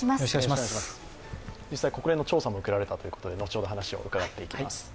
国連の調査も受けられたということで後ほどお話を伺っていきます。